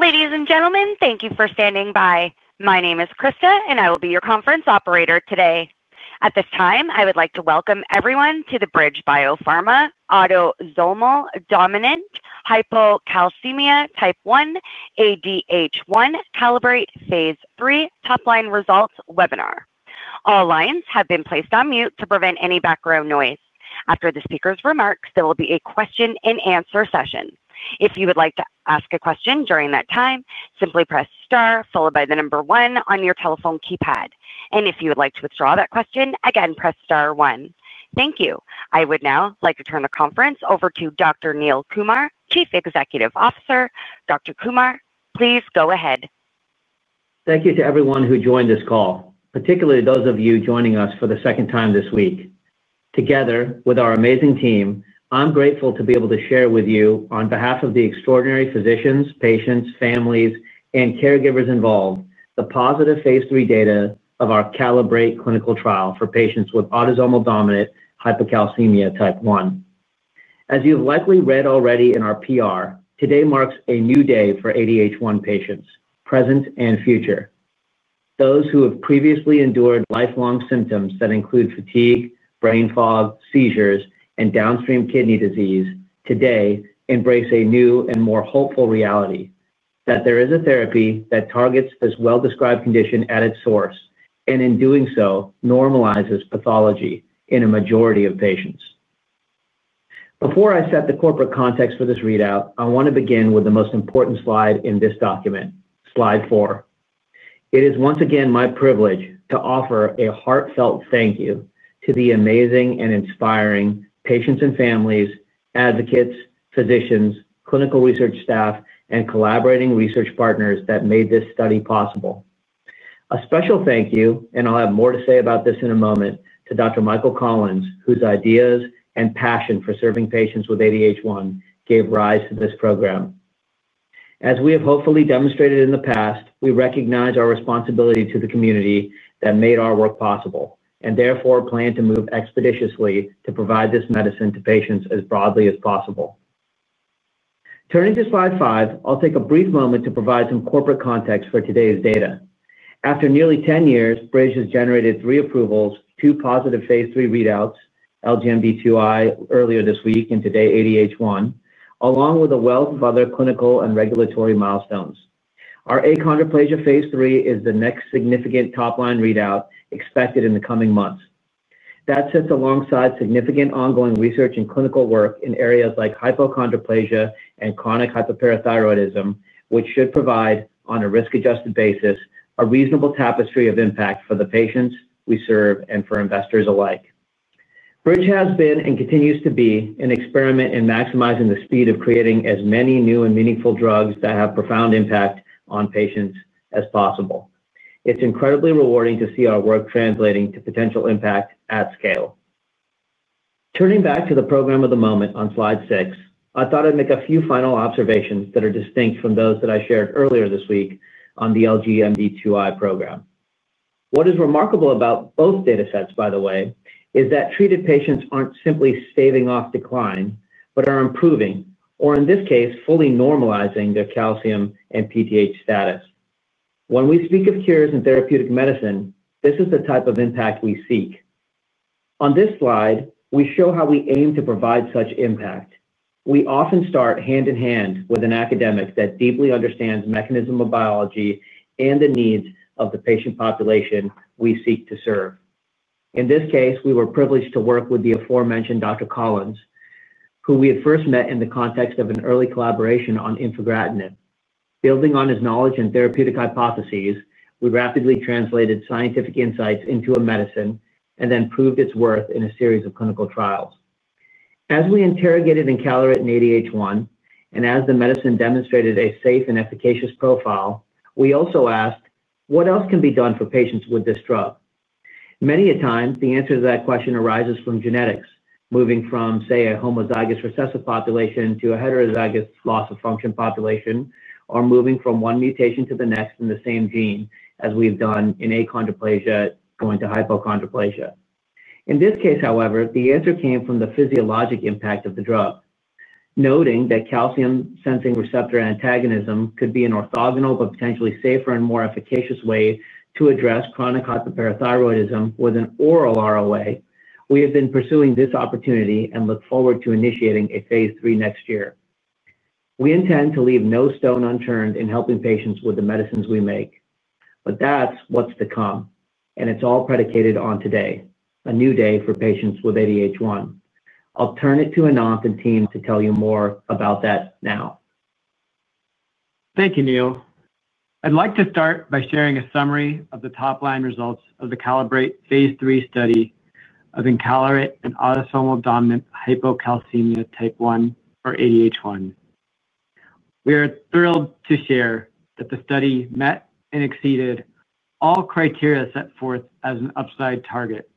Ladies and gentlemen, thank you for standing by. My name is Krista, and I will be your conference operator today. At this time, I would like to welcome everyone to the BridgeBio Pharma Autosomal Dominant Hypocalcemia Type 1 ADH1 CALIBRATE phase III top-line results webinar. All lines have been placed on mute to prevent any background noise. After the speaker's remarks, there will be a question and answer session. If you would like to ask a question during that time, simply press star followed by the number one on your telephone keypad. If you would like to withdraw that question, again, press star one. Thank you. I would now like to turn the conference over to Dr. Neil Kumar, Chief Executive Officer. Dr. Kumar, please go ahead. Thank you to everyone who joined this call, particularly those of you joining us for the second time this week. Together with our amazing team, I'm grateful to be able to share with you on behalf of the extraordinary physicians, patients, families, and caregivers involved, the positive phase III data of our CALIBRATE clinical trial for patients with Autosomal Dominant Hypocalcemia Type 1. As you've likely read already in our PR, today marks a new day for ADH1 patients, present and future. Those who have previously endured lifelong symptoms that include fatigue, brain fog, seizures, and downstream kidney disease, today embrace a new and more hopeful reality that there is a therapy that targets this well-described condition at its source, and in doing so, normalizes pathology in a majority of patients. Before I set the corporate context for this readout, I want to begin with the most important slide in this document, slide 4. It is once again my privilege to offer a heartfelt thank you to the amazing and inspiring patients and families, advocates, physicians, clinical research staff, and collaborating research partners that made this study possible. A special thank you, and I'll have more to say about this in a moment, to Dr. Michael Collins, whose ideas and passion for serving patients with ADH1 gave rise to this program. As we have hopefully demonstrated in the past, we recognize our responsibility to the community that made our work possible, and therefore plan to move expeditiously to provide this medicine to patients as broadly as possible. Turning to slide five, I'll take a brief moment to provide some corporate context for today's data. After nearly 10 years, Bridge has generated three approvals, two positive phase III readouts, LGMD2I earlier this week, and today ADH1, along with a wealth of other clinical and regulatory milestones. Our achondroplasia phase III is the next significant top-line readout expected in the coming months. That sits alongside significant ongoing research and clinical work in areas like hypochondroplasia and chronic hypoparathyroidism, which should provide, on a risk-adjusted basis, a reasonable tapestry of impact for the patients we serve and for investors alike. Bridge has been and continues to be an experiment in maximizing the speed of creating as many new and meaningful drugs that have profound impact on patients as possible. It's incredibly rewarding to see our work translating to potential impact at scale. Turning back to the program of the moment on slide six, I thought I'd make a few final observations that are distinct from those that I shared earlier this week on the LGMD2I program. What is remarkable about both data sets, by the way, is that treated patients aren't simply staving off decline, but are improving, or in this case, fully normalizing their calcium and PTH status. When we speak of cures and therapeutic medicine, this is the type of impact we seek. On this slide, we show how we aim to provide such impact. We often start hand in hand with an academic that deeply understands the mechanism of biology and the needs of the patient population we seek to serve. In this case, we were privileged to work with the aforementioned Dr. Collins, who we had first met in the context of an early collaboration on infigratinib. Building on his knowledge and therapeutic hypotheses, we rapidly translated scientific insights into a medicine and then proved its worth in a series of clinical trials. As we interrogated and calibrated ADH1, and as the medicine demonstrated a safe and efficacious profile, we also asked, what else can be done for patients with this drug? Many a time, the answer to that question arises from genetics, moving from, say, a homozygous recessive population to a heterozygous loss of function population, or moving from one mutation to the next in the same gene, as we've done in achondroplasia going to hypochondroplasia. In this case, however, the answer came from the physiologic impact of the drug. Noting that calcium sensing receptor antagonism could be an orthogonal, but potentially safer and more efficacious way to address chronic hypoparathyroidism with an oral ROA, we have been pursuing this opportunity and look forward to initiating a phase III next year. We intend to leave no stone unturned in helping patients with the medicines we make. That is what's to come, and it's all predicated on today, a new day for patients with ADH1. I'll turn it to Ananth and team to tell you more about that now. Thank you, Neil. I'd like to start by sharing a summary of the top-line results of the CALIBRATE phase III study of encaleret in Autosomal Dominant Hypocalcemia Type 1, or ADH1. We are thrilled to share that the study met and exceeded all criteria set forth as an upside target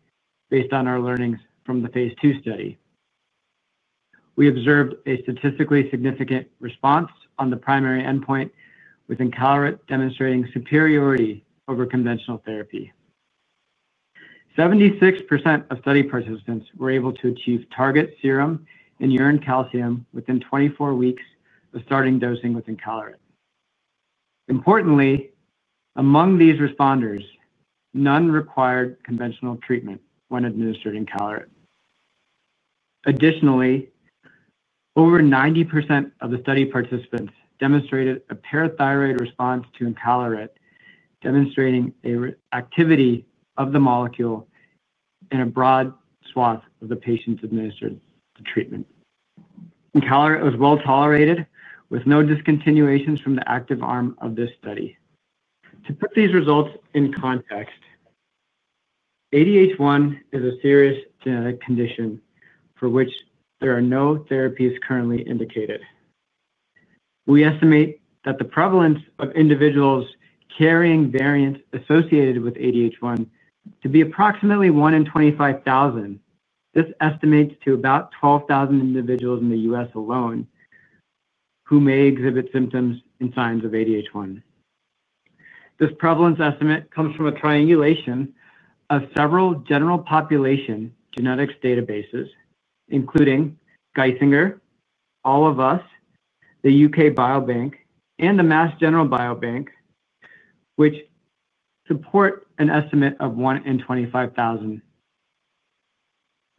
based on our learnings from the phase II study. We observed a statistically significant response on the primary endpoint with encaleret, demonstrating superiority over conventional therapy. 76% of study participants were able to achieve target serum and urine calcium within 24 weeks of starting dosing with encaleret. Importantly, among these responders, none required conventional treatment when administered encaleret. Additionally, over 90% of the study participants demonstrated a parathyroid response to encaleret, demonstrating an activity of the molecule in a broad swath of the patients administered the treatment. Encaleret was well-tolerated, with no discontinuations from the active arm of this study. To put these results in context, ADH1 is a serious genetic condition for which there are no therapies currently indicated. We estimate that the prevalence of individuals carrying variants associated with ADH1 to be approximately one in 25,000. This estimates to about 12,000 individuals in the U.S. alone who may exhibit symptoms and signs of ADH1. This prevalence estimate comes from a triangulation of several general population genetics databases, including Geisinger, All of Us, the UK Biobank, and the Mass General Biobank, which support an estimate of one in 25,000.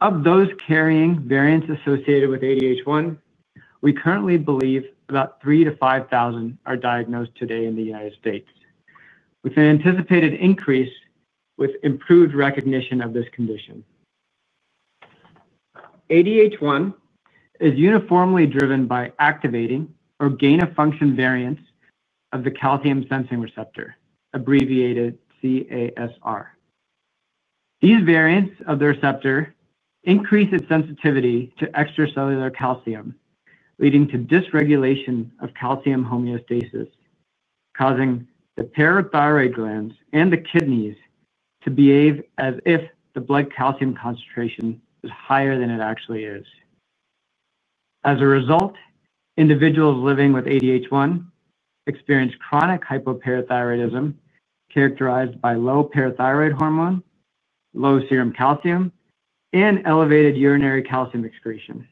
Of those carrying variants associated with ADH1, we currently believe about 3,000-5,000 are diagnosed today in the United States, with an anticipated increase with improved recognition of this condition. ADH1 is uniformly driven by activating or gain-of-function variants of the calcium-sensing receptor, abbreviated CaSR. These variants of the receptor increase its sensitivity to extracellular calcium, leading to dysregulation of calcium homeostasis, causing the parathyroid glands and the kidneys to behave as if the blood calcium concentration is higher than it actually is. As a result, individuals living with ADH1 experience chronic hypoparathyroidism characterized by low parathyroid hormone, low serum calcium, and elevated urinary calcium excretion.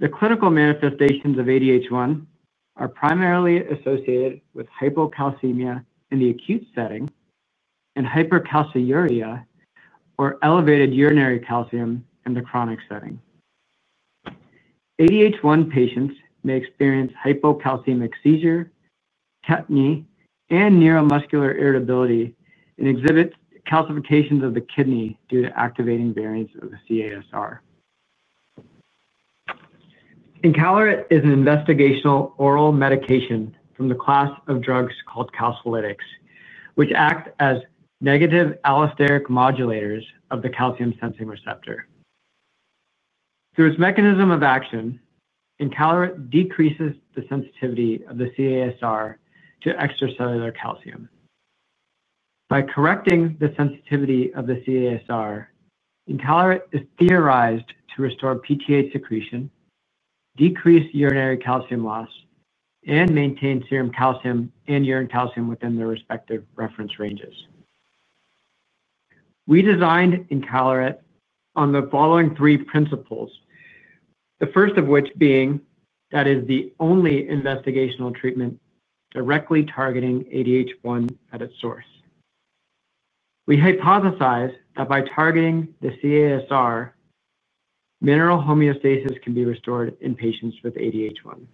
The clinical manifestations of ADH1 are primarily associated with hypocalcemia in the acute setting and hypercalciuria, or elevated urinary calcium in the chronic setting. ADH1 patients may experience hypocalcemic seizure, tetany, and neuromuscular irritability, and exhibit calcifications of the kidney due to activating variants of the CaSR. Encaleret is an investigational oral medication from the class of drugs called calcilytics, which act as negative allosteric modulators of the calcium sensing receptor. Through its mechanism of action, encaleret decreases the sensitivity of the CaSR to extracellular calcium. By correcting the sensitivity of the CaSR, encaleret is theorized to restore PTH secretion, decrease urinary calcium loss, and maintain serum calcium and urine calcium within their respective reference ranges. We designed encaleret on the following three principles, the first of which being that it is the only investigational treatment directly targeting ADH1 at its source. We hypothesize that by targeting the CaSR, mineral homeostasis can be restored in patients with ADH1.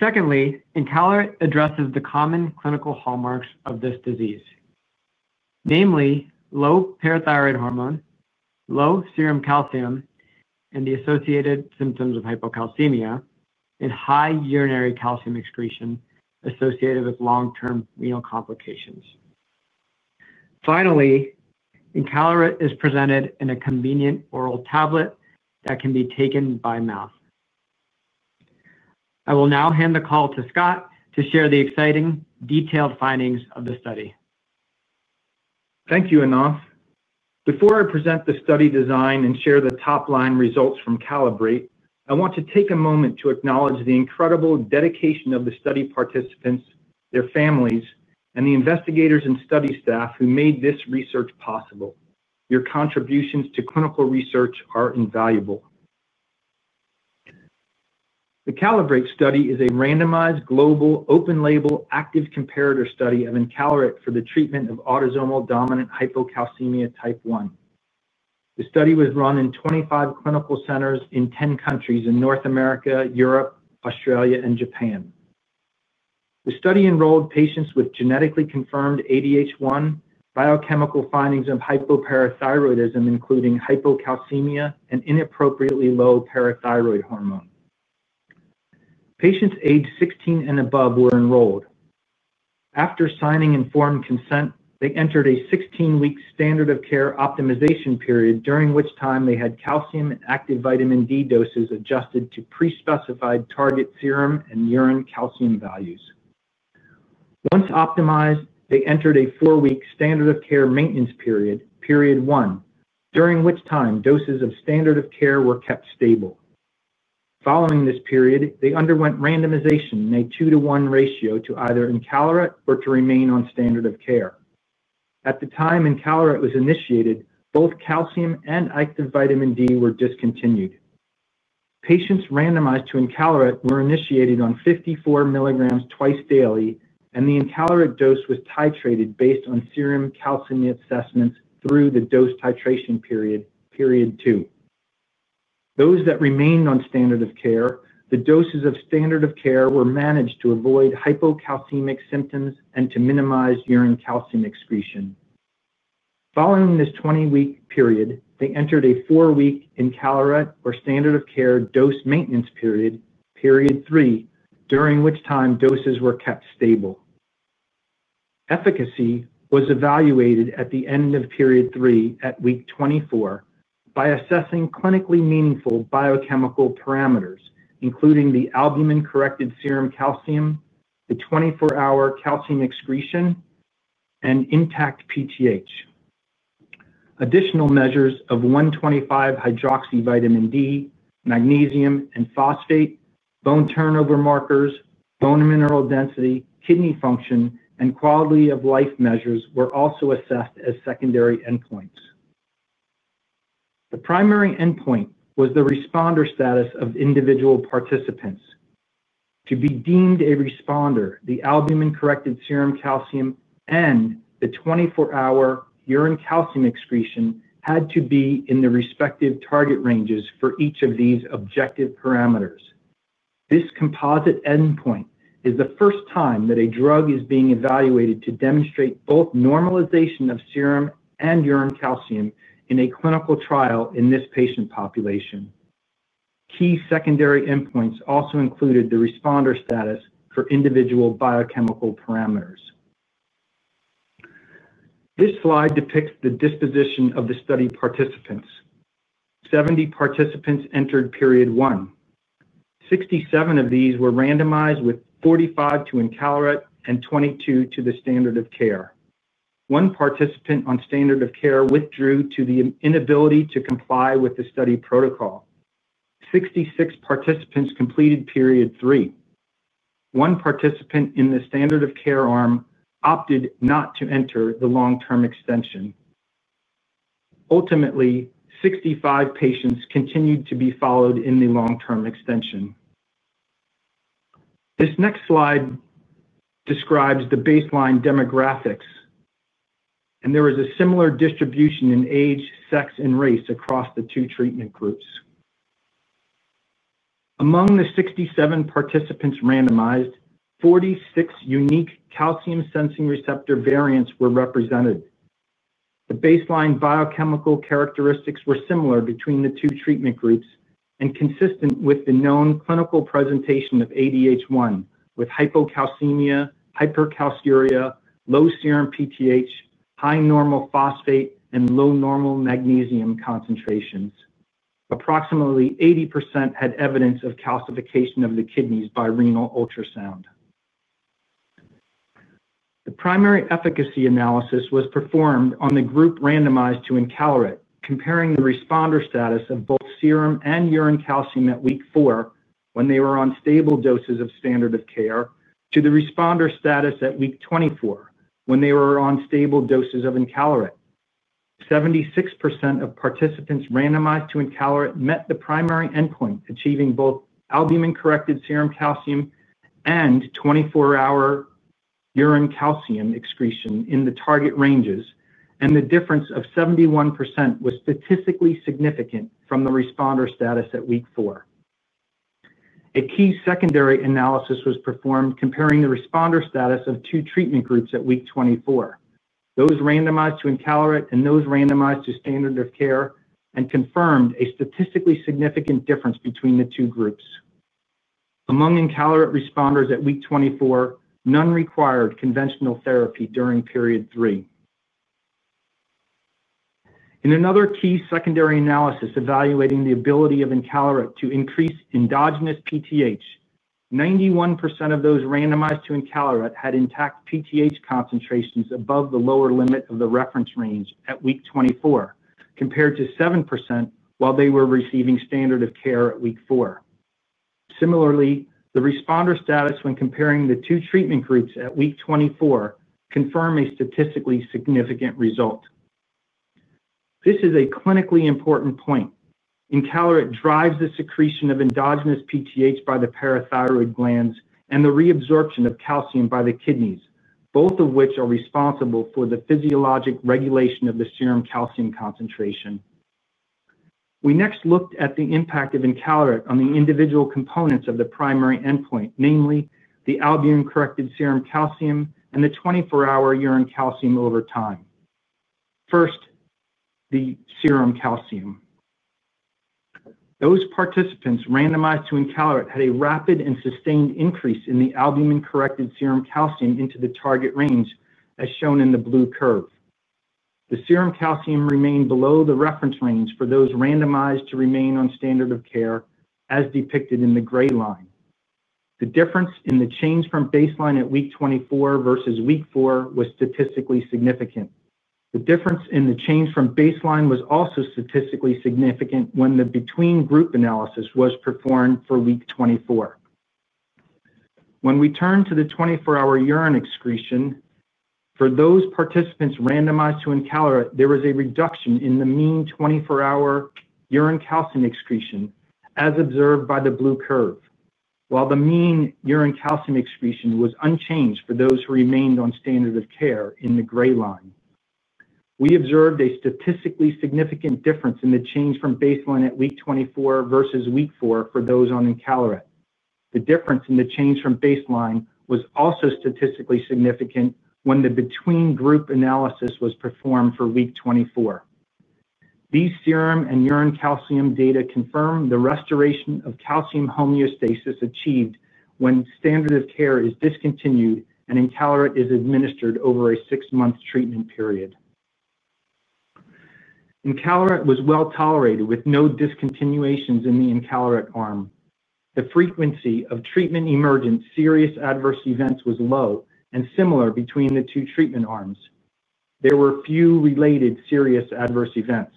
Secondly, encaleret addresses the common clinical hallmarks of this disease, namely low parathyroid hormone, low serum calcium, and the associated symptoms of hypocalcemia, and high urinary calcium excretion associated with long-term renal complications. Finally, encaleret is presented in a convenient oral tablet that can be taken by mouth. I will now hand the call to Scott to share the exciting, detailed findings of the study. Thank you, Ananth. Before I present the study design and share the top-line results from CALIBRATE, I want to take a moment to acknowledge the incredible dedication of the study participants, their families, and the investigators and study staff who made this research possible. Your contributions to clinical research are invaluable. The CALIBRATE study is a randomized global open-label active comparator study of encaleret for the treatment of Autosomal Dominant Hypocalcemia Type 1. The study was run in 25 clinical centers in 10 countries in North America, Europe, Australia, and Japan. The study enrolled patients with genetically confirmed ADH1, biochemical findings of hypoparathyroidism, including hypocalcemia and inappropriately low parathyroid hormone. Patients aged 16 and above were enrolled. After signing informed consent, they entered a 16-week standard of care optimization period, during which time they had calcium and active vitamin D doses adjusted to pre-specified target serum and urine calcium values. Once optimized, they entered a four-week standard of care maintenance period, period one, during which time doses of standard of care were kept stable. Following this period, they underwent randomization in a 2 to 1 ratio to either encaleret or to remain on standard of care. At the time encaleret was initiated, both calcium and active vitamin D were discontinued. Patients randomized to encaleret were initiated on 54 mg twice daily, and the encaleret dose was titrated based on serum calcium assessments through the dose titration period, period two. Those that remained on standard of care, the doses of standard of care were managed to avoid hypocalcemic symptoms and to minimize urine calcium excretion. Following this 20-week period, they entered a four-week encaleret or standard of care dose maintenance period, period three, during which time doses were kept stable. Efficacy was evaluated at the end of period three at week 24 by assessing clinically meaningful biochemical parameters, including the albumin-corrected serum calcium, the 24-hour calcium excretion, and intact PTH. Additional measures of 1,25-hydroxyvitamin D, magnesium, and phosphate, bone turnover markers, bone mineral density, kidney function, and quality of life measures were also assessed as secondary endpoints. The primary endpoint was the responder status of individual participants. To be deemed a responder, the albumin-corrected serum calcium and the 24-hour urine calcium excretion had to be in the respective target ranges for each of these objective parameters. This composite endpoint is the first time that a drug is being evaluated to demonstrate both normalization of serum and urine calcium in a clinical trial in this patient population. Key secondary endpoints also included the responder status for individual biochemical parameters. This slide depicts the disposition of the study participants. 70 participants entered period one. 67 of these were randomized with 45 to encaleret and 22 to the standard of care. One participant on standard of care withdrew due to the inability to comply with the study protocol. 66 participants completed period three. One participant in the standard of care arm opted not to enter the long-term extension. Ultimately, 65 patients continued to be followed in the long-term extension. This next slide describes the baseline demographics, and there was a similar distribution in age, sex, and race across the two treatment groups. Among the 67 participants randomized, 46 unique calcium-sensing receptor variants were represented. The baseline biochemical characteristics were similar between the two treatment groups and consistent with the known clinical presentation of ADH1, with hypocalcemia, hypercalciuria, low serum PTH, high normal phosphate, and low normal magnesium concentrations. Approximately 80% had evidence of calcification of the kidneys by renal ultrasound. The primary efficacy analysis was performed on the group randomized to encaleret, comparing the responder status of both serum and urine calcium at week four when they were on stable doses of standard of care to the responder status at week 24 when they were on stable doses of encaleret. 76% of participants randomized to encaleret met the primary endpoint, achieving both albumin-corrected serum calcium and 24-hour urine calcium excretion in the target ranges, and the difference of 71% was statistically significant from the responder status at week four. A key secondary analysis was performed, comparing the responder status of two treatment groups at week 24, those randomized to encaleret and those randomized to standard of care, and confirmed a statistically significant difference between the two groups. Among encaleret responders at week 24, none required conventional therapy during period three. In another key secondary analysis evaluating the ability of encaleret to increase endogenous PTH, 91% of those randomized to encaleret had intact PTH concentrations above the lower limit of the reference range at week 24, compared to 7% while they were receiving standard of care at week four. Similarly, the responder status when comparing the two treatment groups at week 24 confirmed a statistically significant result. This is a clinically important point. Encaleret drives the secretion of endogenous PTH by the parathyroid glands and the reabsorption of calcium by the kidneys, both of which are responsible for the physiologic regulation of the serum calcium concentration. We next looked at the impact of encaleret on the individual components of the primary endpoint, namely the albumin-corrected serum calcium and the 24-hour urine calcium over time. First, the serum calcium. Those participants randomized to encaleret had a rapid and sustained increase in the albumin-corrected serum calcium into the target range, as shown in the blue curve. The serum calcium remained below the reference range for those randomized to remain on standard of care, as depicted in the gray line. The difference in the change from baseline at week 24 versus week four was statistically significant. The difference in the change from baseline was also statistically significant when the between-group analysis was performed for week 24. When we turned to the 24-hour urine excretion, for those participants randomized to encaleret, there was a reduction in the mean 24-hour urine calcium excretion, as observed by the blue curve, while the mean urine calcium excretion was unchanged for those who remained on standard of care, in the gray line. We observed a statistically significant difference in the change from baseline at week 24 versus week four for those on encaleret. The difference in the change from baseline was also statistically significant when the between-group analysis was performed for week 24. These serum and urine calcium data confirm the restoration of calcium homeostasis achieved when standard of care is discontinued and encaleret is administered over a six-month treatment period. Encaleret was well-tolerated, with no discontinuations in the encaleret arm. The frequency of treatment-emergent serious adverse events was low and similar between the two treatment arms. There were few related serious adverse events.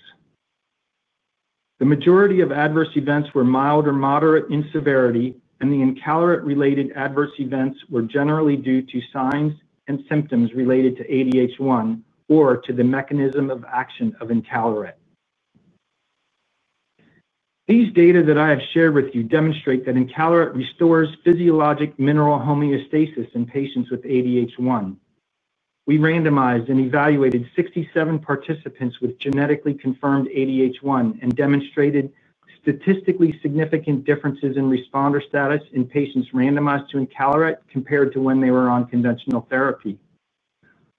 The majority of adverse events were mild or moderate in severity, and the encaleret-related adverse events were generally due to signs and symptoms related to ADH1 or to the mechanism of action of encaleret. These data that I have shared with you demonstrate that encaleret restores physiologic mineral homeostasis in patients with ADH1. We randomized and evaluated 67 participants with genetically confirmed ADH1 and demonstrated statistically significant differences in responder status in patients randomized to encaleret compared to when they were on conventional therapy.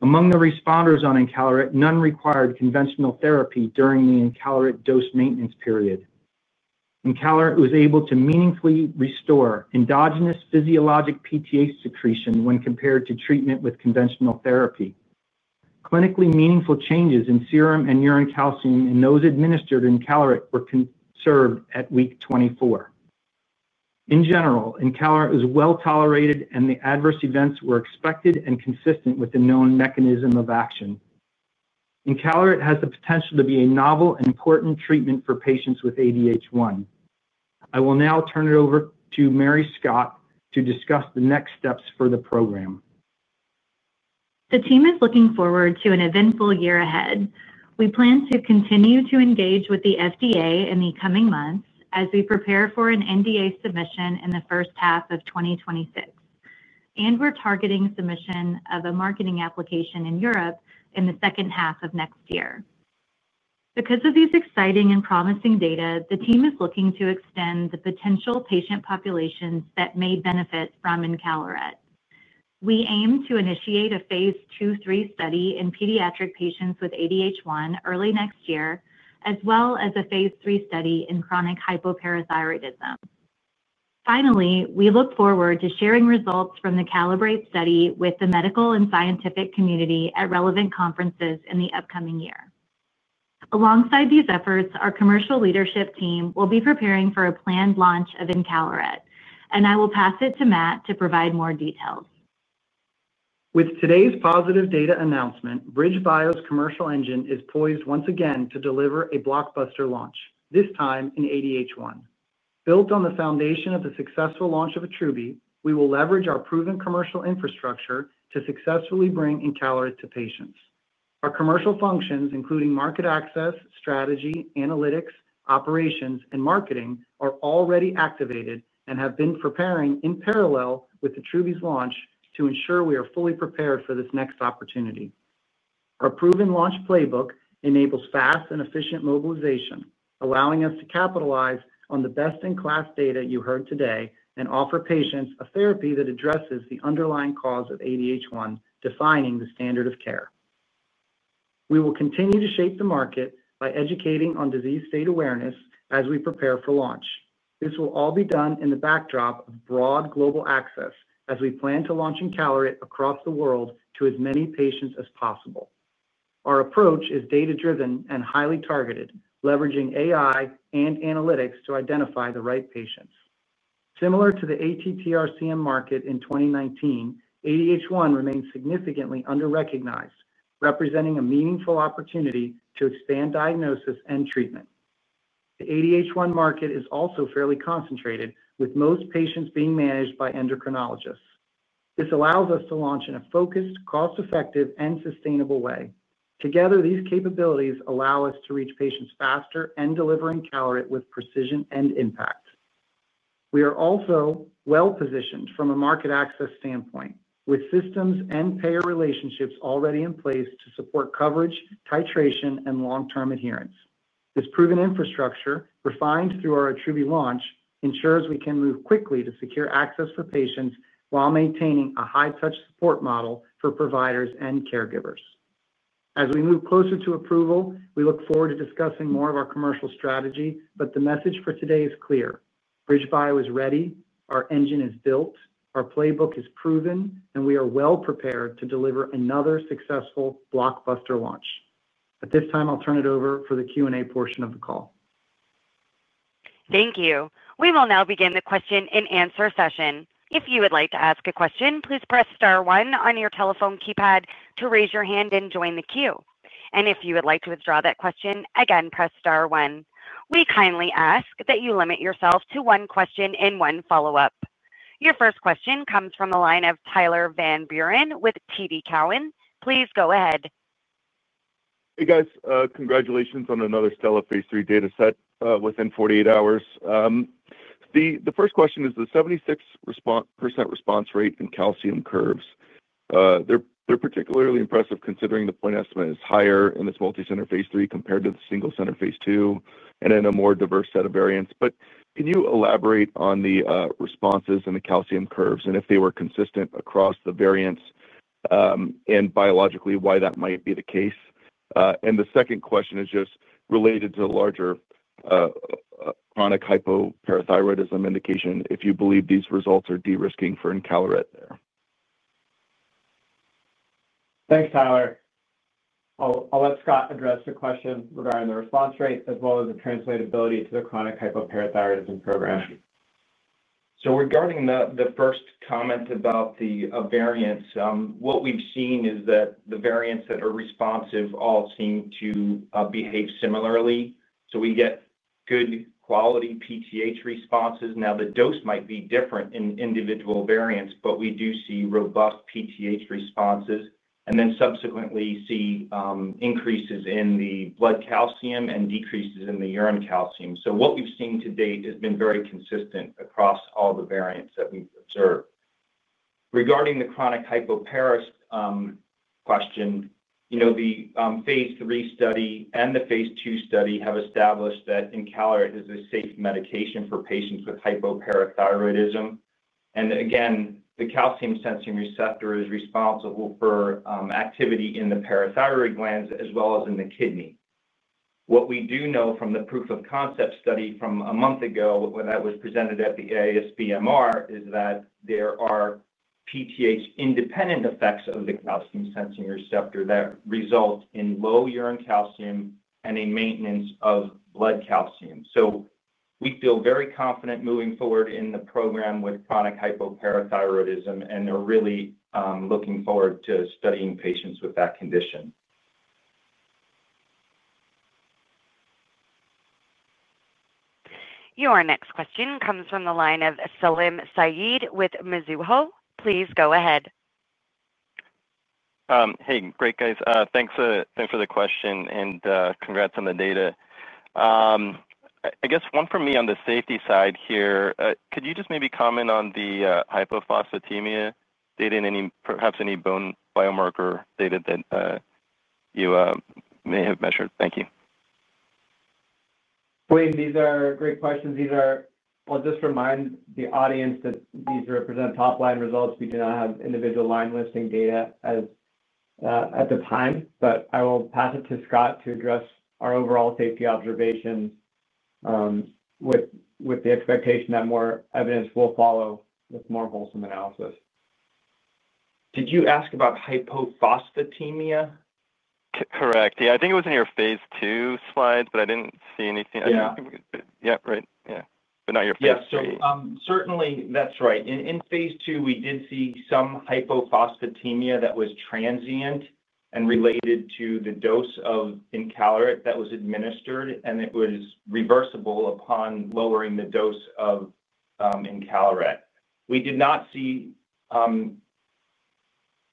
Among the responders on encaleret, none required conventional therapy during the encaleret dose maintenance period. Encaleret was able to meaningfully restore endogenous physiologic PTH secretion when compared to treatment with conventional therapy. Clinically meaningful changes in serum and urine calcium in those administered encaleret were observed at week 24. In general, encaleret was well-tolerated, and the adverse events were expected and consistent with the known mechanism of action. Encaleret has the potential to be a novel and important treatment for patients with ADH1. I will now turn it over to Mary Scott to discuss the next steps for the program. The team is looking forward to an eventful year ahead. We plan to continue to engage with the FDA in the coming months as we prepare for an NDA submission in the first half of 2026, and we're targeting submission of a marketing application in Europe in the second half of next year. Because of these exciting and promising data, the team is looking to extend the potential patient populations that may benefit from encaleret. We aim to initiate a phase II/III study in pediatric patients with ADH1 early next year, as well as a phase III study in chronic hypoparathyroidism. Finally, we look forward to sharing results from the CALIBRATE study with the medical and scientific community at relevant conferences in the upcoming year. Alongside these efforts, our commercial leadership team will be preparing for a planned launch of encaleret, and I will pass it to Matt to provide more details. With today's positive data announcement, BridgeBio's commercial engine is poised once again to deliver a blockbuster launch, this time in ADH1. Built on the foundation of the successful launch of Attruby, we will leverage our proven commercial infrastructure to successfully bring encaleret to patients. Our commercial functions, including market access, strategy, analytics, operations, and marketing, are already activated and have been preparing in parallel with Attruby's launch to ensure we are fully prepared for this next opportunity. Our proven launch playbook enables fast and efficient mobilization, allowing us to capitalize on the best-in-class data you heard today and offer patients a therapy that addresses the underlying cause of ADH1, defining the standard of care. We will continue to shape the market by educating on disease state awareness as we prepare for launch. This will all be done in the backdrop of broad global access as we plan to launch encaleret across the world to as many patients as possible. Our approach is data-driven and highly targeted, leveraging AI and analytics to identify the right patients. Similar to the ATTR-CM market in 2019, ADH1 remains significantly underrecognized, representing a meaningful opportunity to expand diagnosis and treatment. The ADH1 market is also fairly concentrated, with most patients being managed by endocrinologists. This allows us to launch in a focused, cost-effective, and sustainable way. Together, these capabilities allow us to reach patients faster and deliver encaleret with precision and impact. We are also well-positioned from a market access standpoint, with systems and payer relationships already in place to support coverage, titration, and long-term adherence. This proven infrastructure, refined through our Attruby launch, ensures we can move quickly to secure access for patients while maintaining a high-touch support model for providers and caregivers. As we move closer to approval, we look forward to discussing more of our commercial strategy, but the message for today is clear: BridgeBio is ready, our engine is built, our playbook is proven, and we are well-prepared to deliver another successful blockbuster launch. At this time, I'll turn it over for the Q&A portion of the call. Thank you. We will now begin the question and answer session. If you would like to ask a question, please press star one on your telephone keypad to raise your hand and join the queue. If you would like to withdraw that question, again, press star one. We kindly ask that you limit yourself to one question and one follow-up. Your first question comes from the line of Tyler Van Buren with TD Cowen. Please go ahead. Hey, guys. Congratulations on another stellar phase III data set within 48 hours. The first question is the 76% response rate and calcium curves. They're particularly impressive considering the point estimate is higher in this multi-center phase III compared to the single-center phase II and in a more diverse set of variants. Can you elaborate on the responses and the calcium curves and if they were consistent across the variants and biologically why that might be the case? The second question is just related to the larger chronic hypoparathyroidism indication, if you believe these results are de-risking for encaleret there. Thanks, Tyler. I'll let Scott address the question regarding the response rate as well as the translatability to the chronic hypoparathyroidism program. Thank you. Regarding the first comment about the variants, what we've seen is that the variants that are responsive all seem to behave similarly. We get good quality PTH responses. The dose might be different in individual variants, but we do see robust PTH responses and then subsequently see increases in the blood calcium and decreases in the urine calcium. What we've seen to date has been very consistent across all the variants that we've observed. Regarding the chronic hypoparathyroidism question, the phase III study and the phase II study have established that encaleret is a safe medication for patients with hypoparathyroidism. The calcium-sensing receptor is responsible for activity in the parathyroid glands as well as in the kidney. What we do know from the proof of concept study from a month ago that was presented at the ASBMR is that there are PTH-independent effects of the calcium-sensing receptor that result in low urine calcium and a maintenance of blood calcium. We feel very confident moving forward in the program with chronic hypoparathyroidism, and we're really looking forward to studying patients with that condition. Your next question comes from the line of Salim Syed with Mizuho. Please go ahead. Hey, great, guys. Thanks for the question and congrats on the data. I guess one for me on the safety side here, could you just maybe comment on the hypophosphatemia data and perhaps any bone biomarker data that you may have measured? Thank you. Wade, these are great questions. Just remind the audience that these represent top-line results. We do not have individual line listing data at this time, but I will pass it to Scott to address our overall safety observations with the expectation that more evidence will follow with more wholesome analysis. Did you ask about hypophosphatemia? Correct. Yeah, I think it was in your phase II slides, but I didn't see anything. Yeah. Yeah, right. Yeah, but not your phase III. Yes, sir. Certainly, that's right. In phase II, we did see some hypophosphatemia that was transient and related to the dose of encaleret that was administered, and it was reversible upon lowering the dose of encaleret. We did not see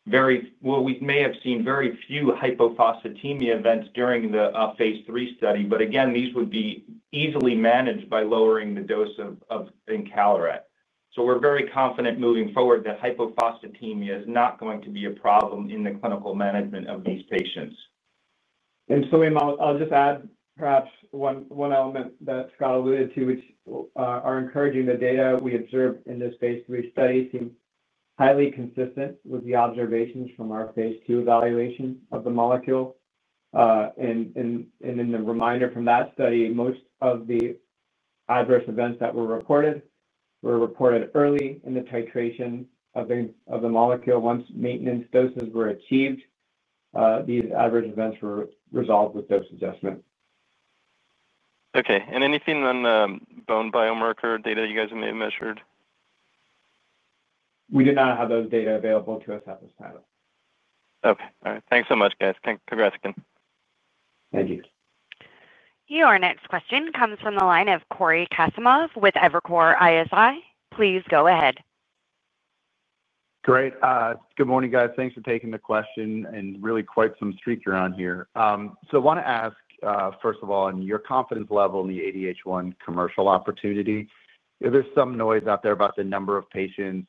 very, we may have seen very few hypophosphatemia events during the phase III study, but again, these would be easily managed by lowering the dose of encaleret. We're very confident moving forward that hypophosphatemia is not going to be a problem in the clinical management of these patients. Salim, I'll just add perhaps one element that Scott alluded to, which are encouraging. The data we observed in this phase III study seem highly consistent with the observations from our phase II evaluation of the molecule. In the reminder from that study, most of the adverse events that were reported were reported early in the titration of the molecule. Once maintenance doses were achieved, these adverse events were resolved with dose adjustment. Okay. Anything on the bone biomarker data you guys may have measured? We do not have those data available to us at this time. Okay. All right. Thanks so much, guys. Congrats again. Thank you. Your next question comes from the line of Cory Kasimov with Evercore ISI. Please go ahead. Great. Good morning, guys. Thanks for taking the question and really quite some streak you're on here. I want to ask, first of all, on your confidence level in the ADH1 commercial opportunity, there's some noise out there about the number of patients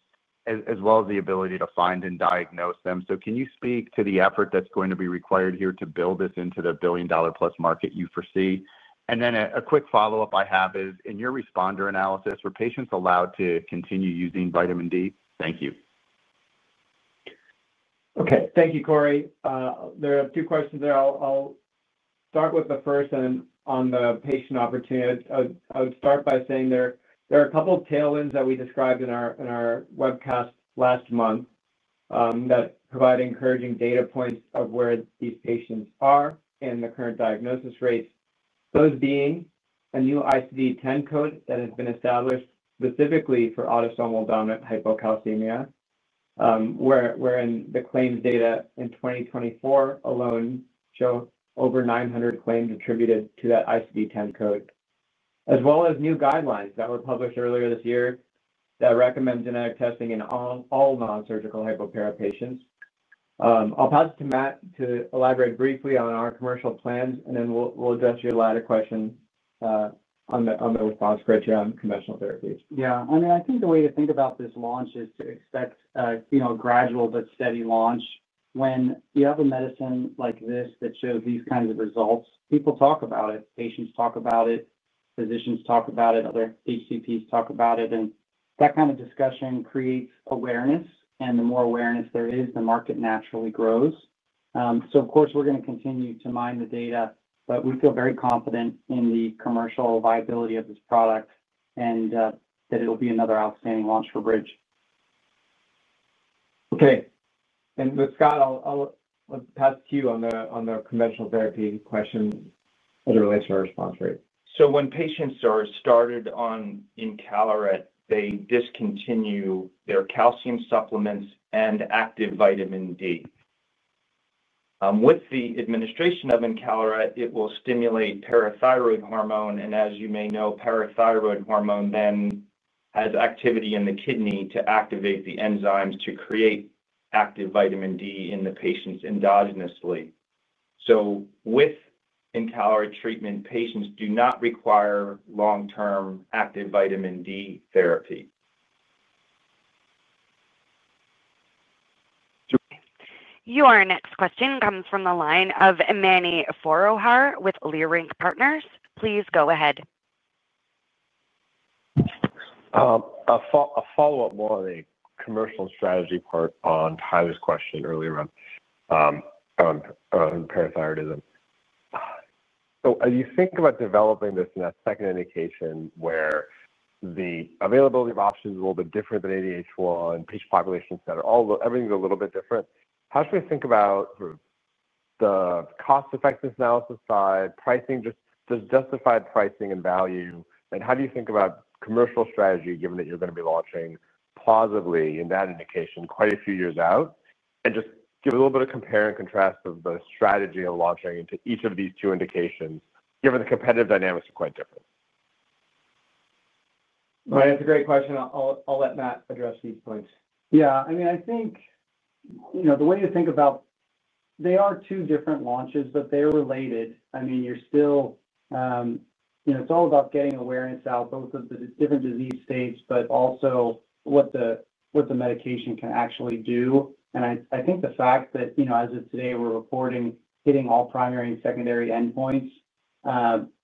as well as the ability to find and diagnose them. Can you speak to the effort that's going to be required here to build this into the billion-dollar-plus market you foresee? A quick follow-up I have is, in your responder analysis, were patients allowed to continue using vitamin D? Thank you. Okay. Thank you, Cory. There are a few questions there. I'll start with the first, and on the patient opportunity, I would start by saying there are a couple of tailwinds that we described in our webcast last month that provide encouraging data points of where these patients are and the current diagnosis rates. Those being a new ICD-10 code that has been established specifically for Autosomal Dominant Hypocalcemia, wherein the claims data in 2024 alone show over 900 claims attributed to that ICD-10 code, as well as new guidelines that were published earlier this year that recommend genetic testing in all non-surgical hypoparathyroidism patients. I'll pass it to Matt to elaborate briefly on our commercial plans, and then we'll address your latter question on the response criteria on conventional therapies. Yeah. I mean, I think the way to think about this launch is to expect a gradual but steady launch. When you have a medicine like this that shows these kinds of results, people talk about it. Patients talk about it. Physicians talk about it. Other PCPs talk about it. That kind of discussion creates awareness, and the more awareness there is, the market naturally grows. Of course, we're going to continue to mine the data, but we feel very confident in the commercial viability of this product and that it will be another outstanding launch for BridgeBio. Okay. Scott, I'll pass it to you on the conventional therapy question as it relates to our response rate. When patients are started on encaleret, they discontinue their calcium supplements and active vitamin D. With the administration of encaleret, it will stimulate parathyroid hormone. As you may know, parathyroid hormone then has activity in the kidney to activate the enzymes to create active vitamin D in the patients endogenously. With encaleret treatment, patients do not require long-term active vitamin D therapy. Your next question comes from the line of Mani Foroohar with Leerink Partners. Please go ahead. A follow-up more on the commercial and strategy part on Tyler's question earlier on parathyroidism. As you think about developing this in that second indication where the availability of options is a little bit different than ADH1 patient populations, everything's a little bit different, how should we think about sort of the cost-effectiveness analysis side, pricing, just the justified pricing and value, and how do you think about commercial strategy given that you're going to be launching plausibly in that indication quite a few years out? Just give a little bit of compare and contrast of the strategy of launching into each of these two indications, given the competitive dynamics are quite different. Right. That's a great question. I'll let Matt address these points. Yeah. I mean, I think you know the way to think about it, they are two different launches, but they're related. I mean, you're still, you know, it's all about getting awareness out, both of the different disease states, but also what the medication can actually do. I think the fact that, you know, as of today, we're reporting hitting all primary and secondary endpoints,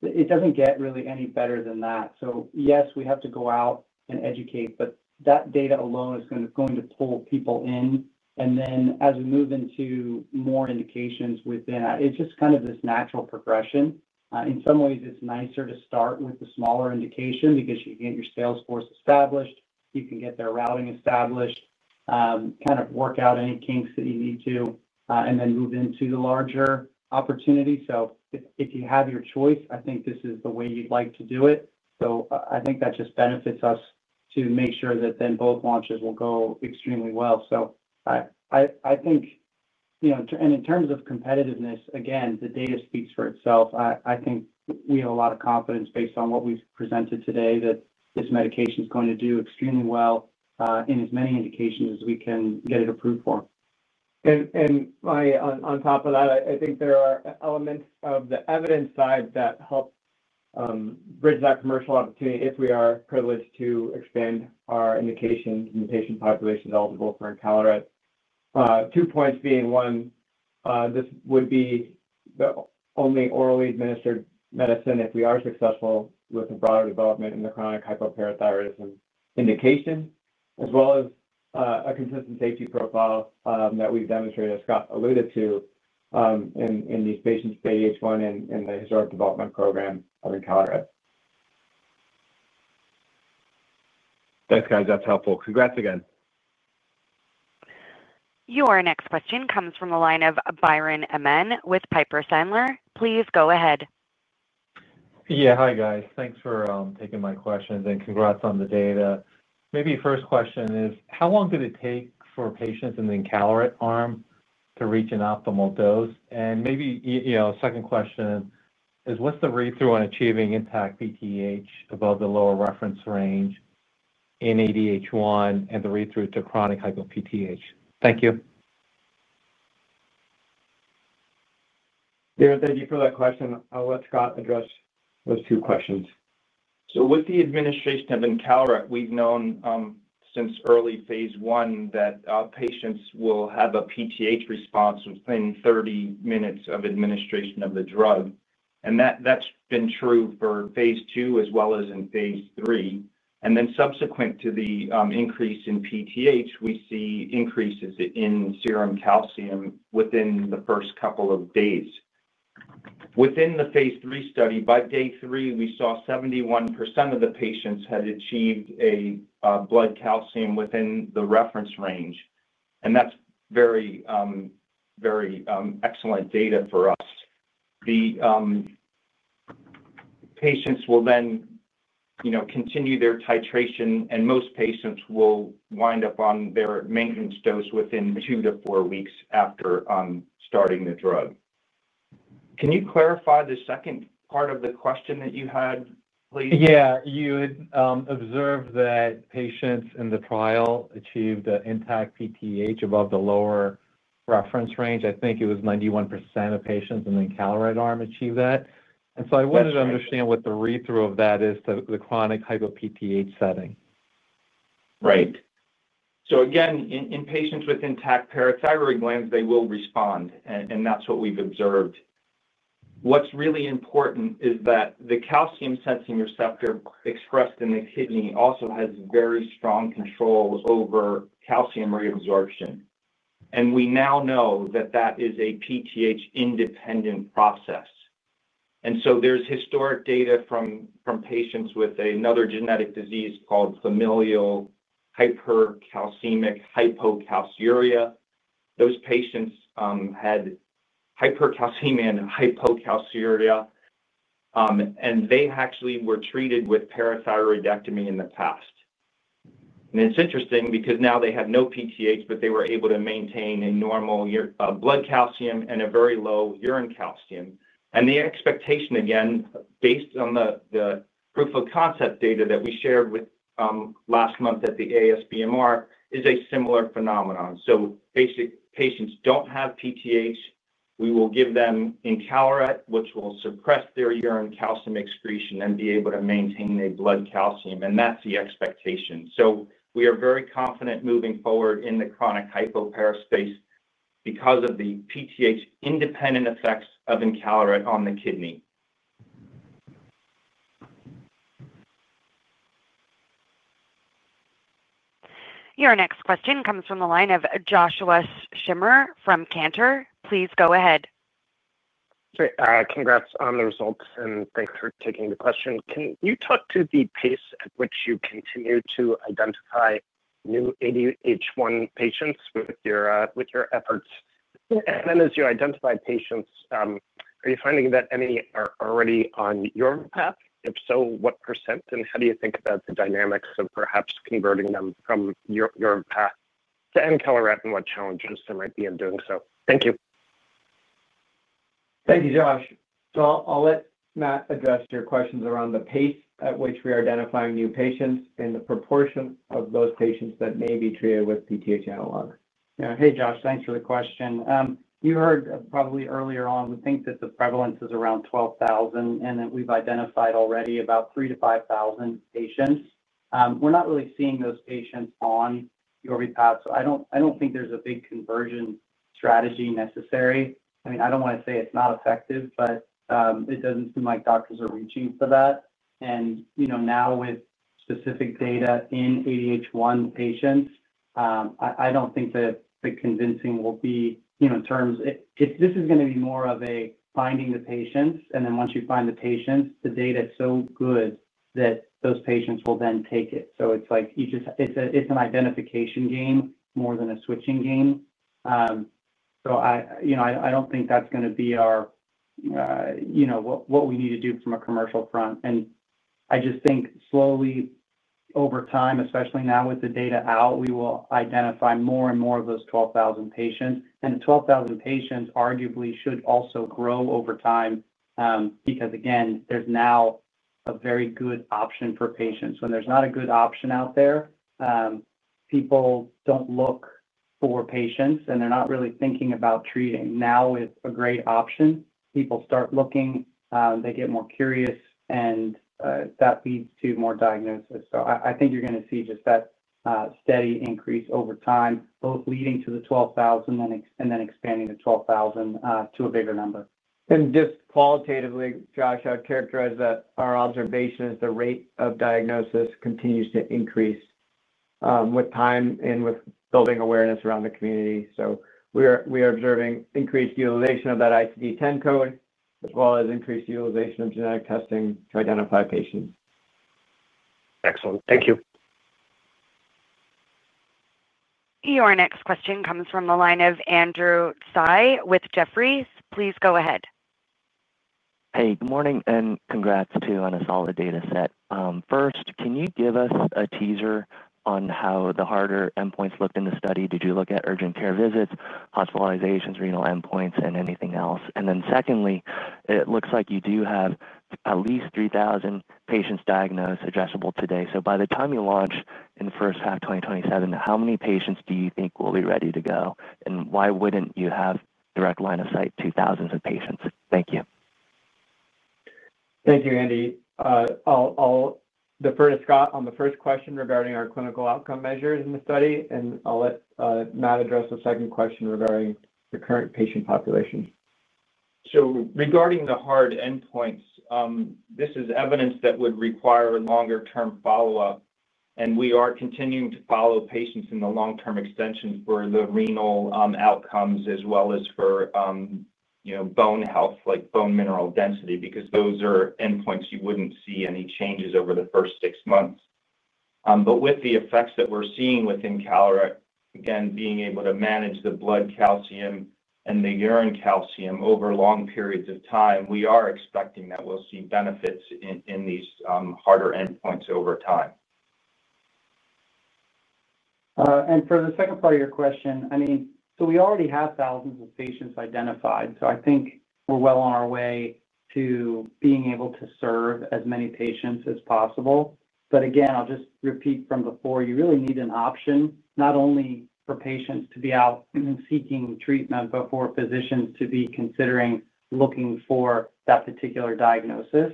it doesn't get really any better than that. Yes, we have to go out and educate, but that data alone is going to pull people in. As we move into more indications within that, it's just kind of this natural progression. In some ways, it's nicer to start with the smaller indication because you can get your sales force established, you can get their routing established, kind of work out any kinks that you need to, and then move into the larger opportunity. If you have your choice, I think this is the way you'd like to do it. I think that just benefits us to make sure that then both launches will go extremely well. I think, you know, in terms of competitiveness, again, the data speaks for itself. I think we have a lot of confidence based on what we've presented today that this medication is going to do extremely well in as many indications as we can get it approved for. I think there are elements of the evidence side that help bridge that commercial opportunity if we are privileged to expand our indications in the patient population eligible for encaleret. Two points being, one, this would be the only orally administered medicine if we are successful with the broader development in the chronic hypoparathyroidism indication, as well as a consistent safety profile that we've demonstrated, as Scott alluded to, in these patients with ADH1 and the historic development program of encaleret. Thanks, guys. That's helpful. Congrats again. Your next question comes from the line of Biren Amin with Piper Sandler. Please go ahead. Hi, guys. Thanks for taking my questions and congrats on the data. Maybe the first question is, how long did it take for patients in the encaleret arm to reach an optimal dose? Maybe a second question is, what's the read-through on achieving intact PTH above the lower reference range in ADH1 and the read-through to chronic hypo PTH? Thank you. Neil, thank you for that question. I'll let Scott address those two questions. With the administration of encaleret, we've known since early phase I that patients will have a PTH response within 30 minutes of administration of the drug. That's been true for phase II as well as in phase III. Subsequent to the increase in PTH, we see increases in serum calcium within the first couple of days. Within the phase III study, by day three, we saw 71% of the patients had achieved a blood calcium within the reference range. That's very, very excellent data for us. The patients will then continue their titration, and most patients will wind up on their maintenance dose within two to four weeks after starting the drug. Can you clarify the second part of the question that you had, please? Yeah. You had observed that patients in the trial achieved the intact PTH above the lower reference range. I think it was 91% of patients in the encaleret arm achieved that. I wanted to understand what the read-through of that is to the chronic hypo PTH setting. Right. In patients with intact parathyroid glands, they will respond, and that's what we've observed. What's really important is that the calcium-sensing receptor expressed in the kidney also has very strong control over calcium reabsorption. We now know that is a PTH-independent process. There is historic data from patients with another genetic disease called familial hypercalcemic hypocalciuria. Those patients had hypercalcemia and hypocalciuria, and they actually were treated with parathyroidectomy in the past. It's interesting because now they had no PTH, but they were able to maintain a normal blood calcium and a very low urine calcium. The expectation, based on the proof of concept data that we shared last month at the ASBMR, is a similar phenomenon. Patients who don't have PTH, we will give them encaleret, which will suppress their urine calcium excretion and be able to maintain a blood calcium. That's the expectation. We are very confident moving forward in the chronic hypopara space because of the PTH-independent effects of encaleret on the kidney. Your next question comes from the line of Joshua Schimmer from Cantor. Please go ahead. Great. Congrats on the results, and thanks for taking the question. Can you talk to the pace at which you continue to identify new ADH1 patients with your efforts? As you identify patients, are you finding that any are already on your path? If so, what percent, and how do you think about the dynamics of perhaps converting them from your path to encaleret and what challenges there might be in doing so? Thank you. Thank you, Josh. I'll let Matt address your questions around the pace at which we are identifying new patients and the proportion of those patients that may be treated with PTH analog. Yeah. Hey, Josh. Thanks for the question. You heard probably earlier on, we think that the prevalence is around 12,000 and that we've identified already about 3,000-5,000 patients. We're not really seeing those patients on your path. I don't think there's a big conversion strategy necessary. I mean, I don't want to say it's not effective, but it doesn't seem like doctors are reaching for that. You know now with specific data in ADH1 patients, I don't think that the convincing will be in terms if this is going to be more of a finding the patients, and then once you find the patients, the data is so good that those patients will then take it. It's like you just it's an identification game more than a switching game. I don't think that's going to be our what we need to do from a commercial front. I just think slowly over time, especially now with the data out, we will identify more and more of those 12,000 patients. The 12,000 patients arguably should also grow over time because, again, there's now a very good option for patients. When there's not a good option out there, people don't look for patients and they're not really thinking about treating. Now with a great option, people start looking, they get more curious, and that leads to more diagnosis. I think you're going to see just that steady increase over time, both leading to the 12,000 and then expanding the 12,000 to a bigger number. Qualitatively, Josh, I would characterize that our observation is the rate of diagnosis continues to increase with time and with building awareness around the community. We are observing increased utilization of that ICD-10 code as well as increased utilization of genetic testing to identify patients. Excellent. Thank you. Your next question comes from the line of Andrew Tsai with Jefferies. Please go ahead. Hey, good morning, and congrats too on a solid data set. First, can you give us a teaser on how the harder endpoints looked in the study? Did you look at urgent care visits, hospitalizations, renal endpoints, and anything else? It looks like you do have at least 3,000 patients diagnosed adjustable today. By the time you launch in the first half of 2027, how many patients do you think will be ready to go? Why wouldn't you have direct line of sight to thousands of patients? Thank you. Thank you, Andy. I'll defer to Scott on the first question regarding our clinical outcome measures in the study, and I'll let Matt address the second question regarding the current patient population. Regarding the hard endpoints, this is evidence that would require longer-term follow-up. We are continuing to follow patients in the long-term extensions for the renal outcomes as well as for, you know, bone health, like bone mineral density, because those are endpoints you wouldn't see any changes over the first six months. With the effects that we're seeing with encaleret, again, being able to manage the blood calcium and the urine calcium over long periods of time, we are expecting that we'll see benefits in these harder endpoints over time. For the second part of your question, we already have thousands of patients identified. I think we're well on our way to being able to serve as many patients as possible. You really need an option, not only for patients to be out seeking treatment, but for physicians to be considering looking for that particular diagnosis.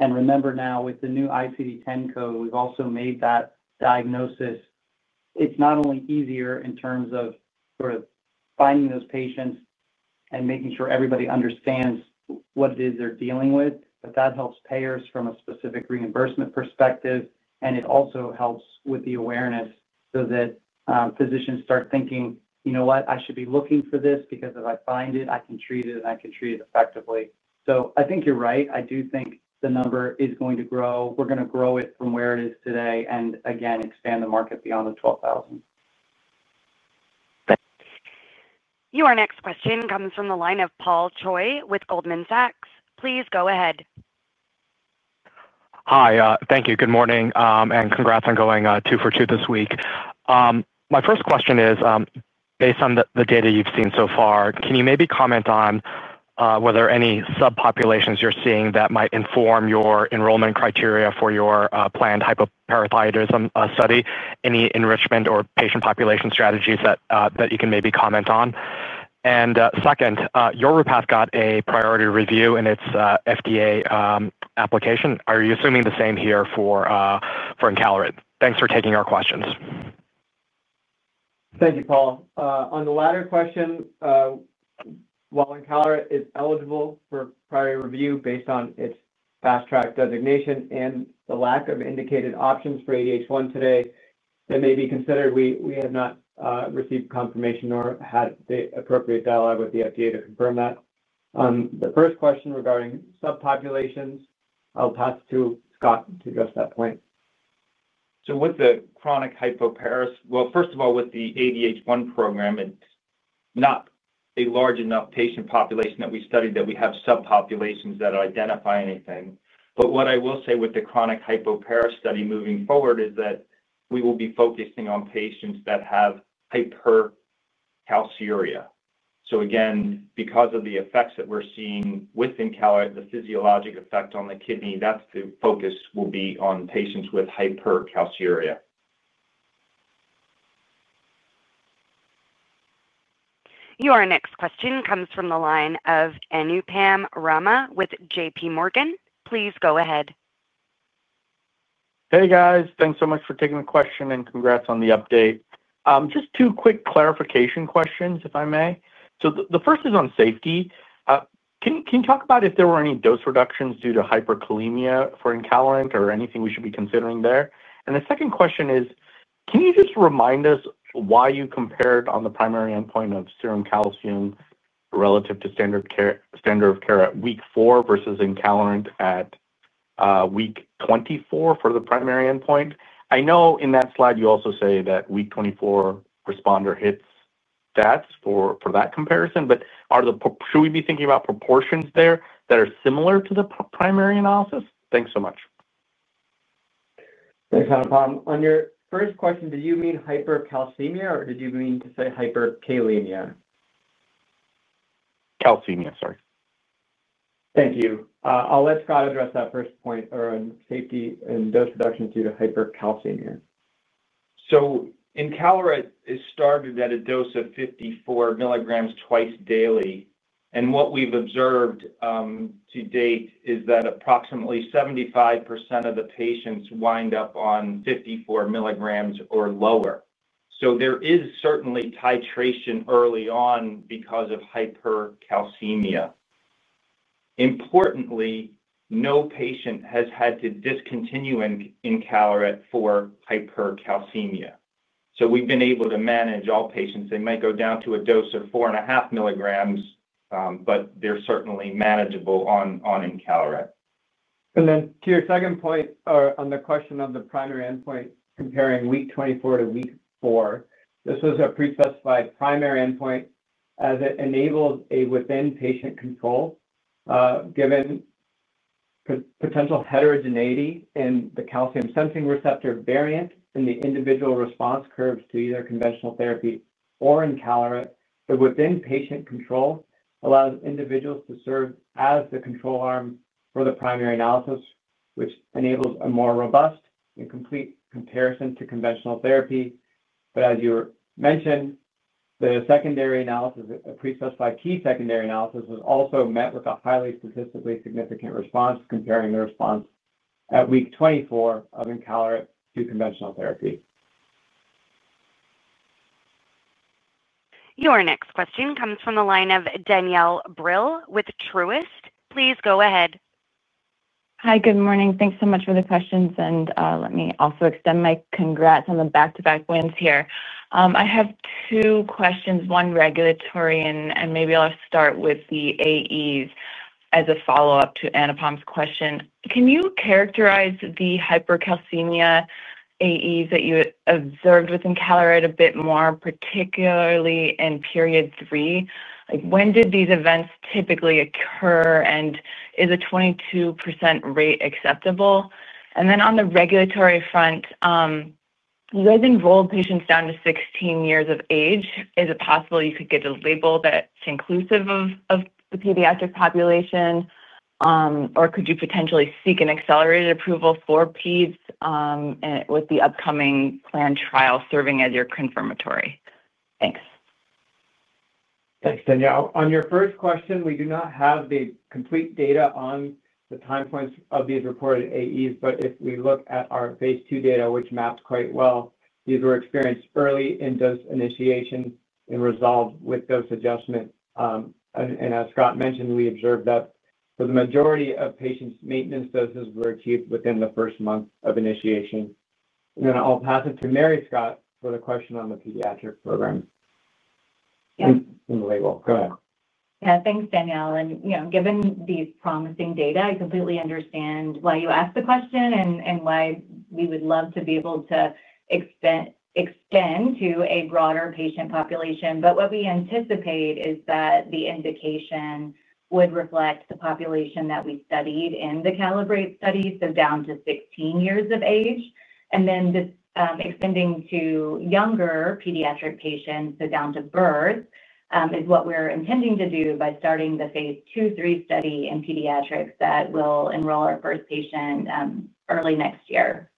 Remember now, with the new ICD-10 code, we've also made that diagnosis not only easier in terms of finding those patients and making sure everybody understands what it is they're dealing with, but that helps payers from a specific reimbursement perspective. It also helps with the awareness so that physicians start thinking, "You know what? I should be looking for this because if I find it, I can treat it and I can treat it effectively." I think you're right. I do think the number is going to grow. We're going to grow it from where it is today and expand the market beyond the 12,000. Your next question comes from the line of Paul Choi with Goldman Sachs. Please go ahead. Hi. Thank you. Good morning, and congrats on going two for two this week. My first question is, based on the data you've seen so far, can you maybe comment on whether any subpopulations you're seeing that might inform your enrollment criteria for your planned hypoparathyroidism study? Any enrichment or patient population strategies that you can maybe comment on? Second, your path got a priority review in its FDA application. Are you assuming the same here for encaleret? Thanks for taking our questions. Thank you, Paul. On the latter question, while encaleret is eligible for priority review based on its fast-track designation and the lack of indicated options for ADH1 today that may be considered, we have not received confirmation nor had the appropriate dialogue with the FDA to confirm that. The first question regarding subpopulations, I'll pass it to Scott to address that point. With the chronic hypoparathyroidism, first of all, with the ADH1 program, it's not a large enough patient population that we studied that we have subpopulations that identify anything. What I will say with the chronic hypopara study moving forward is that we will be focusing on patients that have hypercalciuria. Again, because of the effects that we're seeing with encaleret, the physiologic effect on the kidney, the focus will be on patients with hypercalciuria. Your next question comes from the line of Anupam Rama with JPMorgan. Please go ahead. Hey, guys. Thanks so much for taking the question and congrats on the update. Just two quick clarification questions, if I may. The first is on safety. Can you talk about if there were any dose reductions due to hyperkalemia for encaleret or anything we should be considering there? The second question is, can you just remind us why you compared on the primary endpoint of serum calcium relative to standard of care at week four versus encaleret at week 24 for the primary endpoint? I know in that slide you also say that week 24 responder hits stats for that comparison, but should we be thinking about proportions there that are similar to the primary analysis? Thanks so much. That's not a problem. On your first question, did you mean hypercalcemia or did you mean to say hyperkalemia? Calcemia, sorry. Thank you. I'll let Scott address that first point on safety and dose reductions due to hypercalcemia. Encaleret is started at a dose of 54 mg twice daily. What we've observed to date is that approximately 75% of the patients wind up on 54 mg or lower. There is certainly titration early on because of hypercalcemia. Importantly, no patient has had to discontinue encaleret for hypercalcemia. We've been able to manage all patients. They might go down to a dose of 4.5 mg, but they're certainly manageable on encaleret. To your second point on the question of the primary endpoint comparing week 24 to week four, this was a pre-specified primary endpoint as it enables a within-patient control. Given potential heterogeneity in the calcium-sensing receptor variant and the individual response curves to either conventional therapy or encaleret, the within-patient control allows individuals to serve as the control arm for the primary analysis, which enables a more robust and complete comparison to conventional therapy. As you mentioned, the secondary analysis, a pre-specified key secondary analysis, was also met with a highly statistically significant response comparing the response at week 24 of encaleret to conventional therapy. Your next question comes from the line of Danielle Brill with Truist. Please go ahead. Hi. Good morning. Thanks so much for the questions. Let me also extend my congrats on the back-to-back wins here. I have two questions, one regulatory, and maybe I'll start with the AEs as a follow-up to Anupam's question. Can you characterize the hypercalcemia AEs that you observed with encaleret a bit more, particularly in period three? Like when did these events typically occur, and is a 22% rate acceptable? On the regulatory front, you guys enrolled patients down to 16 years of age. Is it possible you could get a label that's inclusive of the pediatric population? Could you potentially seek an accelerated approval for peds with the upcoming planned trial serving as your confirmatory? Thanks. Thanks, Danielle. On your first question, we do not have the complete data on the time points of these reported AEs, but if we look at our phase II data, which maps quite well, these were experienced early in dose initiation and resolved with dose adjustment. As Scott mentioned, we observed that for the majority of patients, maintenance doses were achieved within the first month of initiation. I'll pass it to Mary Scott for the question on the pediatric program. The label. Go ahead. Yeah. Thanks, Danielle. Given these promising data, I completely understand why you asked the question and why we would love to be able to expand to a broader patient population. What we anticipate is that the indication would reflect the population that we studied in the CALIBRATE study, so down to 16 years of age. This extending to younger pediatric patients, so down to birth, is what we're intending to do by starting the phase II/III study in pediatrics that will enroll our first patient early next year.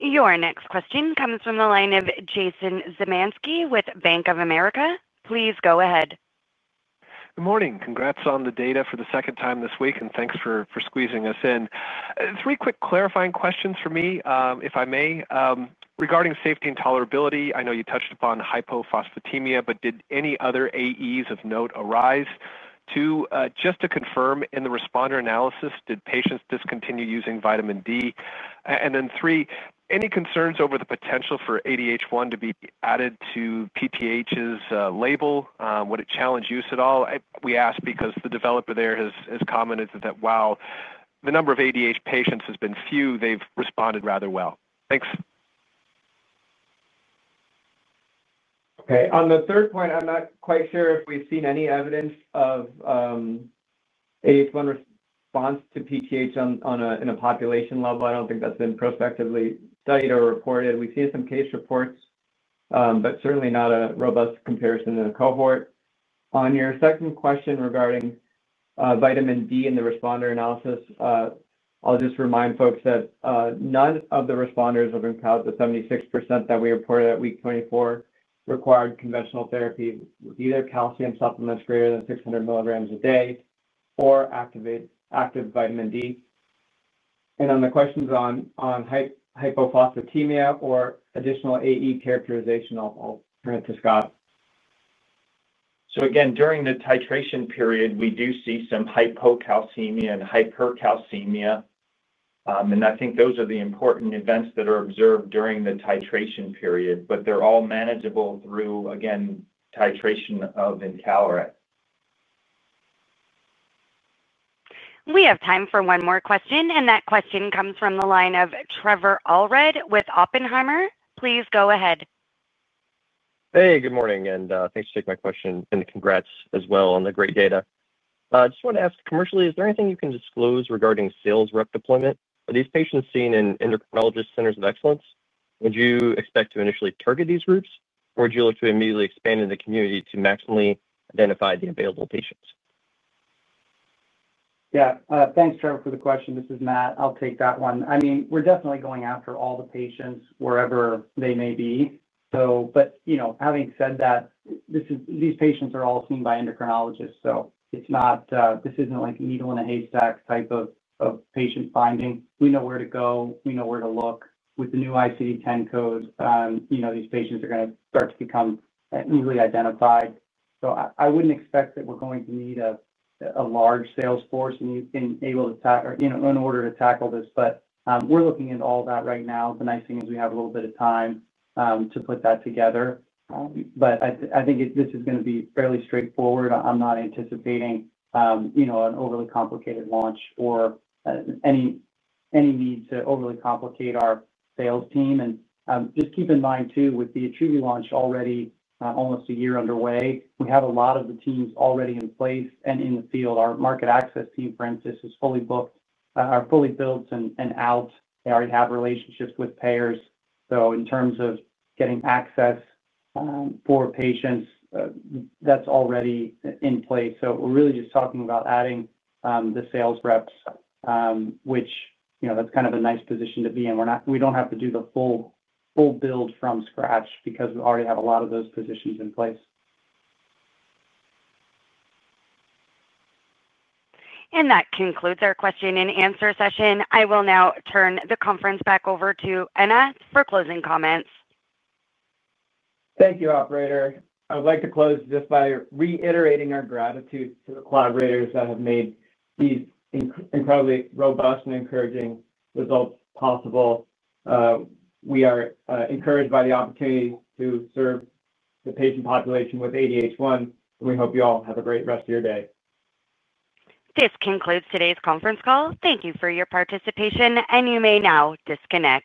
Your next question comes from the line of [Jason Szymanski] with Bank of America. Please go ahead. Good morning. Congrats on the data for the second time this week, and thanks for squeezing us in. Three quick clarifying questions for me, if I may. Regarding safety and tolerability, I know you touched upon hypophosphatemia, but did any other AEs of note arise? Two, just to confirm, in the responder analysis, did patients discontinue using vitamin D? Three, any concerns over the potential for ADH1 to be added to PTH's label? Would it challenge use at all? We ask because the developer there has commented that, wow, the number of ADH patients has been few. They've responded rather well. Thanks. Okay. On the third point, I'm not quite sure if we've seen any evidence of ADH1 response to PTH in a population level. I don't think that's been prospectively studied or reported. We've seen some case reports, but certainly not a robust comparison in a cohort. On your second question regarding vitamin D in the responder analysis, I'll just remind folks that none of the responders of encaleret, the 76% that we reported at week 24, required conventional therapy with either calcium supplements greater than 600 mg a day or active vitamin D. On the questions on hypophosphatemia or additional AE characterization, I'll turn it to Scott. During the titration period, we do see some hypocalcemia and hypercalcemia. I think those are the important events that are observed during the titration period, but they're all manageable through, again, titration of encaleret. We have time for one more question, and that question comes from the line of Trevor Allred with Oppenheimer. Please go ahead. Good morning. Thanks for taking my question and congrats as well on the great data. I just want to ask commercially, is there anything you can disclose regarding sales rep deployment? Are these patients seen in endocrinologist centers of excellence? Would you expect to initially target these groups, or would you look to immediately expand into the community to maximally identify the available patients? Yeah. Thanks, Trevor, for the question. This is Matt. I'll take that one. I mean, we're definitely going after all the patients wherever they may be. Having said that, these patients are all seen by endocrinologists. It's not like a needle in a haystack type of patient finding. We know where to go. We know where to look. With the new ICD-10 codes, these patients are going to start to become easily identified. I wouldn't expect that we're going to need a large sales force in order to tackle this, but we're looking into all of that right now. The nice thing is we have a little bit of time to put that together. I think this is going to be fairly straightforward. I'm not anticipating an overly complicated launch or any need to overly complicate our sales team. Just keep in mind, too, with the Attruby launch already almost a year underway, we have a lot of the teams already in place and in the field. Our market access team, for instance, is fully built and out. They already have relationships with payers. In terms of getting access for patients, that's already in place. We're really just talking about adding the sales reps, which is kind of a nice position to be in. We don't have to do the full build from scratch because we already have a lot of those positions in place. That concludes our question and answer session. I will now turn the conference back over to Ananth for closing comments. Thank you, operator. I would like to close just by reiterating our gratitude to the collaborators that have made these incredibly robust and encouraging results possible. We are encouraged by the opportunity to serve the patient population with ADH1. We hope you all have a great rest of your day. This concludes today's conference call. Thank you for your participation, and you may now disconnect.